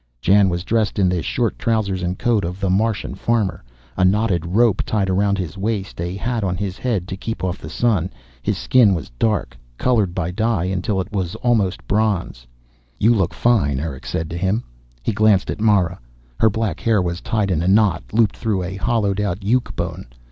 Jan was dressed in the short trousers and coat of the Martian farmer, a knotted rope tied around his waist, a hat on his head to keep off the sun. His skin was dark, colored by dye until it was almost bronze. "You look fine," Erick said to him. He glanced at Mara. Her black hair was tied in a knot, looped through a hollowed out yuke bone.